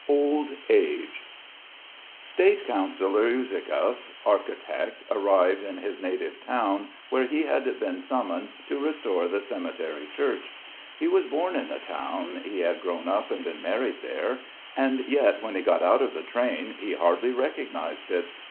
OLD AGE State Councillor Usielkov, architect, arrived in his native town, where he had been summoned to restore the cemetery church. He was born in the town, he had grown up and been married there, and yet when he got out of the train he hardly recognised it.